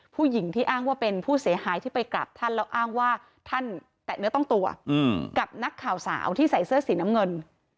ผู้หญิงที่อ้างว่าเป็นผู้เสียหายที่ไปกลับท่านแล้วอ้างว่าท่านแตะเนื้อต้องตัวกับนักข่าวสาวที่ใส่เสื้อสีน้ำเงิน